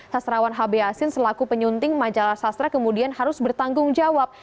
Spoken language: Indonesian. sastrawan hb yasin selaku penyunting majalah sastra kemudian harus bertanggung jawab